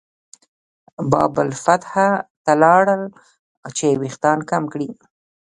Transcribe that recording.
باب الفتح ته لاړل چې وېښتان کم کړي.